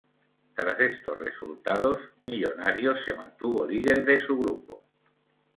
Tras estos resultados, Millonarios se mantuvo líder de su grupo.